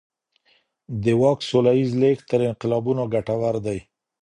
د واک سوله ييز لېږد تر انقلابونو ګټور دی.